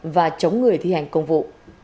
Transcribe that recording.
và chống người thi hành công vụ